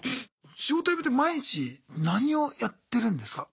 仕事辞めて毎日何をやってるんですか？